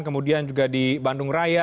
kemudian juga di bandung raya